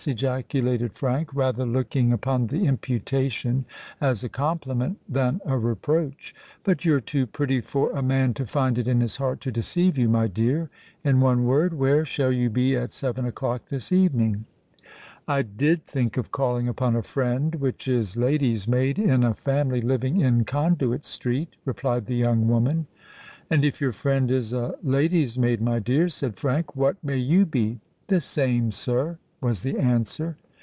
ejaculated Frank, rather looking upon the imputation as a compliment than a reproach. "But you're too pretty for a man to find it in his heart to deceive you, my dear. In one word, where shall you be at seven o'clock this evening?" "I did think of calling upon a friend which is lady's maid in a family living in Conduit Street," replied the young woman. "And if your friend is a lady's maid, my dear," said Frank, "what may you be?" "The same, sir," was the answer.